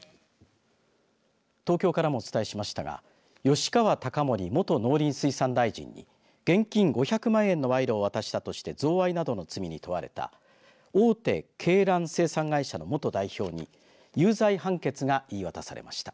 東京からもお伝えしましたが吉川貴盛元農林水産大臣に現金５００万円の賄賂を渡したとして贈賄などの罪に問われた大手鶏卵生産会社の元代表に有罪判決が言い渡されました。